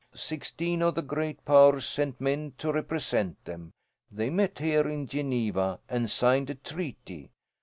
Sixteen of the great powers sent men to represent them. They met here in Geneva and signed a treaty.